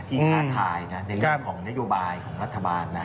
ท้าทายนะในเรื่องของนโยบายของรัฐบาลนะ